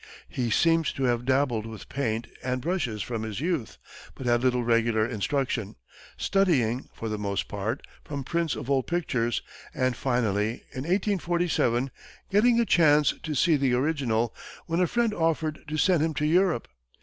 He seems to have dabbled with paint and brushes from his youth, but had little regular instruction, studying, for the most part, from prints of old pictures, and finally, in 1847, getting a chance to see the original when a friend offered to send him to Europe.